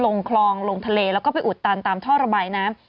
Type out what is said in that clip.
ลงคลองลงทะเลแล้วก็ไปอุดตันตามท่อระบายน้ำ